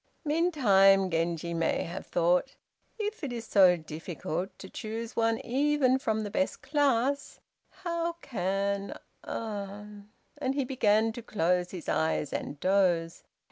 Meantime, Genji may have thought, "If it is so difficult to choose one even from the best class, how can Ah!" and he began to close his eyes and doze.